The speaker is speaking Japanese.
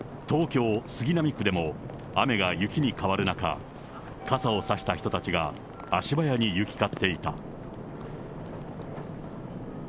東京・杉並区でも雨が雪に変わる中、傘を差した人たちが足早に行き交っていた。